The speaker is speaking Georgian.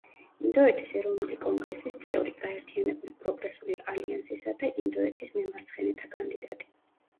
ინდოეთის ეროვნული კონგრესის წევრი; გაერთიანებული პროგრესული ალიანსისა და ინდოეთის მემარცხენეთა კანდიდატი.